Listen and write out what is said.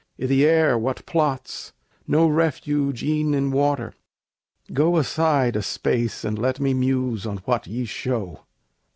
i' th' air what plots! No refuge e'en in water. Go aside A space, and let me muse on what ye show."